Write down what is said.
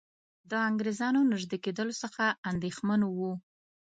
د انګریزانو نیژدې کېدلو څخه اندېښمن وو.